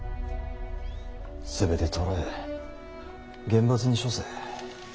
全て捕らえ厳罰に処せ。